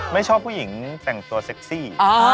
ไม่ชอบผู้หญิงแต่งตัวเซ็กซี่